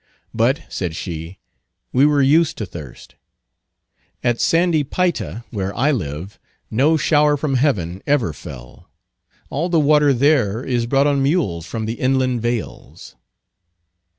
"But," said she, "we were used to thirst. At sandy Payta, where I live, no shower from heaven ever fell; all the water there is brought on mules from the inland vales."